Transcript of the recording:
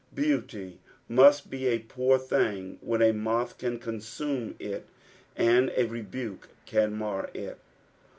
Beauty BMut be a poor thing when a moth can consume it and a rebuke can mar it.